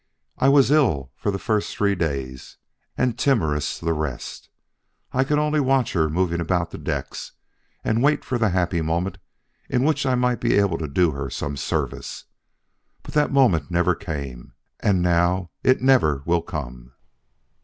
I was ill for the first three days and timorous the rest. I could only watch her moving about the decks and wait for the happy moment in which I might be able to do her some service. But that moment never came, and now it never will come."